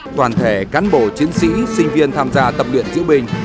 toàn thể cán bộ chiến sĩ sinh viên tham gia tập luyện diễu bình